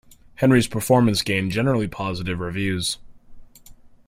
Henry's performance gained generally very positive reviews.